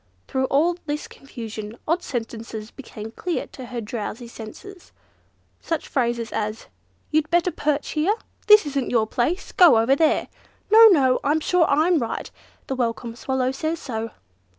Through all this confusion, odd sentences became clear to her drowsy senses. Such phrases as, "You'd better perch here?" "This isn't your place!" "Go over there!" "No! no! I'm sure I'm right! the Welcome Swallow says so."